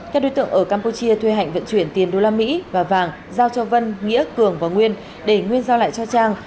các đối tượng ở campuchia thuê hạnh vận chuyển tiền đô la mỹ và vàng giao cho vân nghĩa cường và nguyên để nguyên giao lại cho trang